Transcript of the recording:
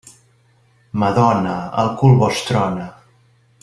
Madona, el cul vos trona.